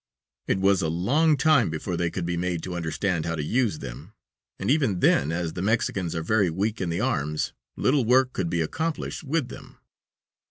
It was a long time before they could be made to understand how to use them, and even then, as the Mexicans are very weak in the arms, little work could be accomplished with them.